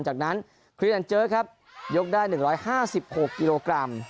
จากนั้นครีอันเจอร์ครับยกได้๑๕๖กิโลกรัม